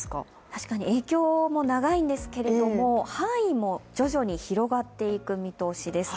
確かに、影響も長いんですけれども範囲も徐々に広がっていく見通しです。